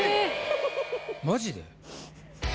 マジで？